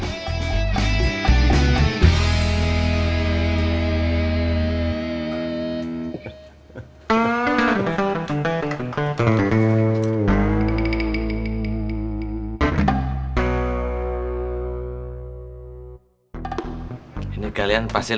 pergi kementerian mesir